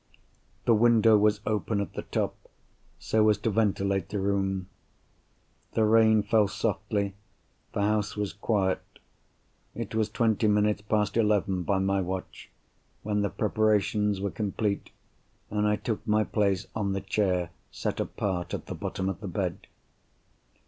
The window was open at the top, so as to ventilate the room. The rain fell softly, the house was quiet. It was twenty minutes past eleven, by my watch, when the preparations were completed, and I took my place on the chair set apart at the bottom of the bed.